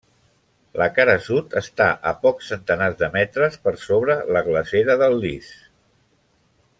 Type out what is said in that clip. La cara sud està a pocs centenars de metres per sobre la Glacera del Lis.